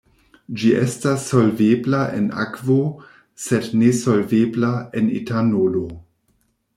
Ĝi estas solvebla en akvo, sed nesolvebla en etanolo.